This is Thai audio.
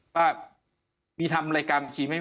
ว่ามีทำอะไรการบัญชีไหม